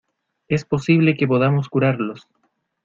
es posible que podamos curarlos.